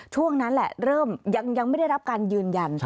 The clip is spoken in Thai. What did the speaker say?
ช่วงนั้นแหละเริ่มยังไม่ได้รับการยืนยัน